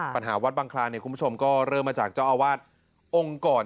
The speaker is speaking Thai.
ปัญหาวัดบังคลานเนี่ยคุณผู้ชมก็เริ่มมาจากเจ้าอาวาสองค์ก่อน